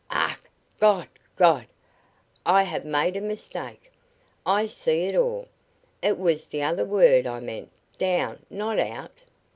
"Ach, God! God! I have made a mistake! I see it all! It was the other word I meant down not out!